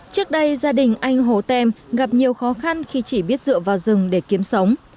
trước đây gia đình anh hồ tem gặp nhiều khó khăn khi chỉ biết dựa vào rừng để kiếm sống